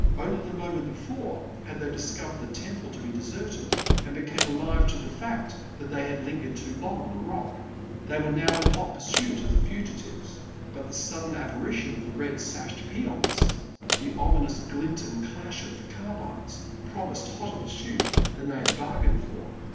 Only the moment before had they discovered the temple to be deserted, and become alive to the fact that they had lingered too long on the Rock. They were now in hot pursuit of the fugitives. But the sudden apparition of the red sashed peons, the ominous glint and clash of the carbines, promised hotter pursuit than they had bargained for.